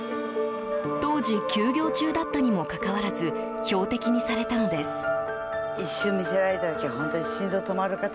当時休業中だったにもかかわらず標的にされたのです。